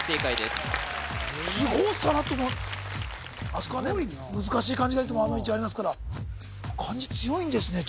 すごいさらっとあそこはね難しい漢字がいつもあの位置ありますから漢字強いんですね